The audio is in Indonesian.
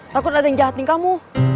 takut ada yang jahatin kamu